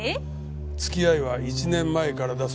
付き合いは１年前からだそうだ。